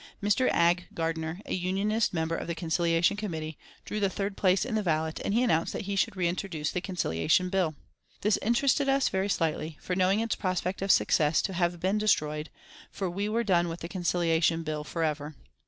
Mr. Agg Gardner, a Unionist member of the Conciliation Committee, drew the third place in the ballot, and he announced that he should reintroduce the Conciliation Bill. This interested us very slightly, for knowing its prospect of success to have been destroyed, for we were done with the Conciliation Bill forever.